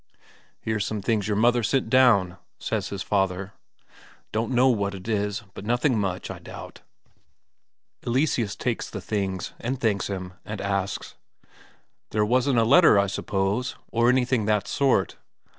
"Here's some things your mother sent down," says his father. "Don't know what it is, but nothing much, I doubt." Eleseus takes the things, and thanks him, and asks: "There wasn't a letter, I suppose, or anything that sort?"